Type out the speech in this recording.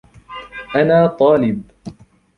أنا طالب.